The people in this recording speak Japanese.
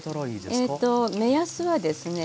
ええと目安はですね